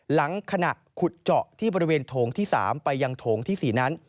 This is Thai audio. หลังขณะขุดเจาะที่บริเวณโถงที่๓ไปยังโถงที่๔นั้น